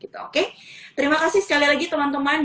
terima kasih sekali lagi teman teman